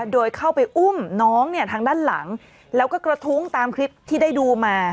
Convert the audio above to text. โดยเข้าไปอุ้มน้องเนี่ยทางด้านหลังแล้วก็กระทุ้งตามคลิปที่ได้ดูมา